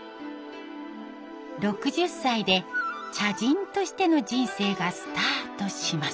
６０歳で茶人としての人生がスタートします。